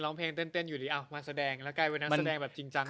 ร้องเพลงเต้นอยู่ดีมาแสดงแล้วกลายเป็นนักแสดงแบบจริงจัง